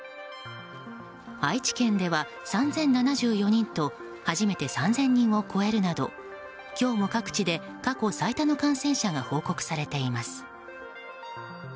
愛知県では、３０７４人と初めて３０００人を超えるなど今日も各地で過去最多の感染者が報告されています。